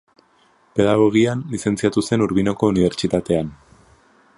Pedagogian lizentziatu zen Urbinoko Unibertsitatean.